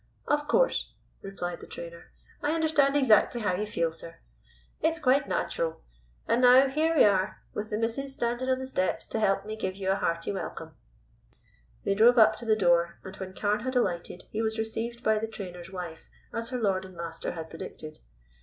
"Of course," replied the trainer. "I understand exactly how you feel, sir. It's quite natural. And now here we are, with the missis standing on the steps to help me give you a hearty welcome." They drove up to the door, and when Carne had alighted he was received by the trainer's wife as her lord and master had predicted.